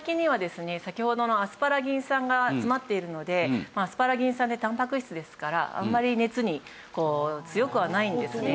先ほどのアスパラギン酸が詰まっているのでアスパラギン酸ってたんぱく質ですからあんまり熱に強くはないんですね。